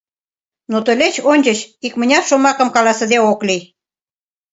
Но тылеч ончыч икмыняр шомакым каласыде ок лий.